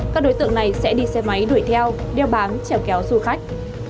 các đối tượng này sẽ đi xe máy đuổi theo đeo bán treo kéo du khách